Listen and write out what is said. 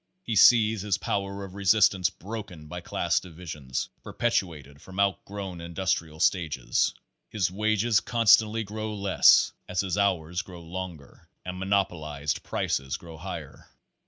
He sees his power of resistance broken by class divisions, perpet uated from outgrown industrial stages. His wages con stantly grow less as his hours grow longer and monopo lized prices grow higher.